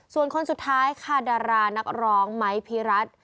ส่วนคนสุดท้ายค่ะดารานักร้องไม้พิรัตน์